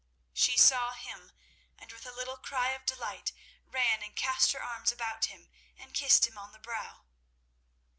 She saw him, and with a little cry of delight ran and cast her arms about him, and kissed him on the brow.